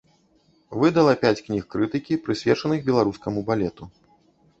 Выдала пяць кніг крытыкі, прысвечаных беларускаму балету.